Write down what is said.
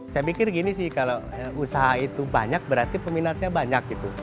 saya pikir gini sih kalau usaha itu banyak berarti peminatnya banyak gitu